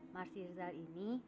mas irjal ini